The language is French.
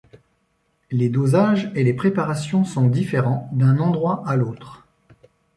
Les dosages et les préparations sont différents d'un endroit à l'autre.